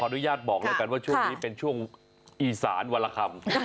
อนุญาตบอกแล้วกันว่าช่วงนี้เป็นช่วงอีสานวันละคำ